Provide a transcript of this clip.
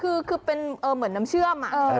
คือเป็นเหมือนน้ำเชื่อม